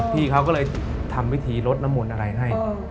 พี่เขาก็เลยทำวิธีลดน้ำมนต์อะไรให้